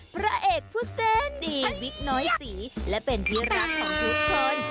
พระเอกผู้เส้นดีวิกน้อยศรีและเป็นที่รักของทุกคน